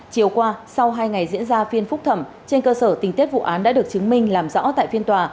chiều qua sau hai ngày diễn ra phiên phúc thẩm trên cơ sở tình tiết vụ án đã được chứng minh làm rõ tại phiên tòa